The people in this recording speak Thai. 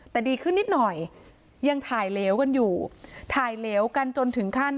แต่ดีขึ้นนิดหน่อยยังถ่ายเหลวกันอยู่ถ่ายเหลวกันจนถึงขั้น